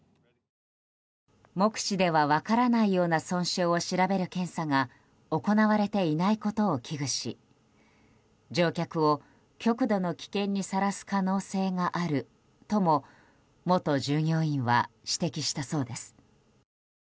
目視では分からないような損傷を調べる検査が行われていないことを危惧し乗客を極度の危険にさらす可能性があるとも元従業員は指摘したそうです。